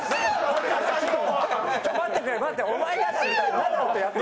待ってくれ待って。